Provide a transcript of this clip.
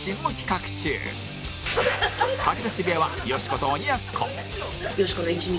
吐き出し部屋はよしこと鬼奴